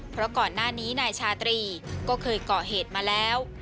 เพราะก่อนหน้านี้นายชาตรีก็เคยเกาะเหตุมาแล้ว